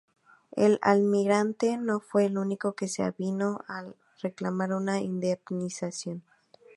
El almirante no fue el único que se avino a reclamar una indemnización.